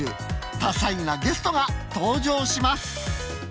多彩なゲストが登場します。